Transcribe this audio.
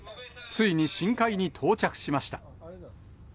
ついに深海に到着しました。